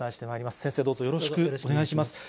先生、どうぞよろしくお願いします。